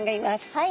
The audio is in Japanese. はい。